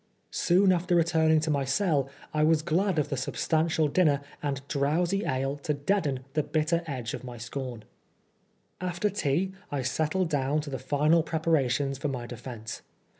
Soon after returning to my cell I was NEWGATE. 97 glad of the substantial dinner and drowsy ale to deaden the bitter edge of my scorn. After tea I settled down to the final preparations for my defence.